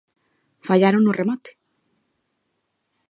Fallaron no remate.